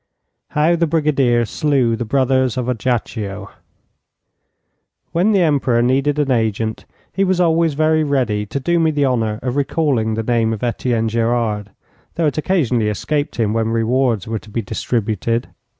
HOW THE BRIGADIER SLEW THE BROTHERS OF AJACCIO When the Emperor needed an agent he was always very ready to do me the honour of recalling the name of Etienne Gerard, though it occasionally escaped him when rewards were to be distributed.